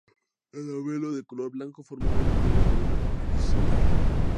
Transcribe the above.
El labelo de color blanco forma un tubo con un orificio central.